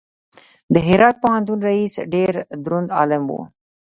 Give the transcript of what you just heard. د هرات پوهنتون رئیس ډېر دروند عالم و.